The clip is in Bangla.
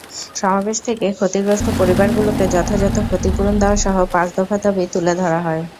সমাবেশ থেকে ক্ষতিগ্রস্ত পরিবারগুলোকে যথাযথ ক্ষতিপূরণ দেওয়াসহ পাঁচ দফা দাবি তুলে ধরা হয়।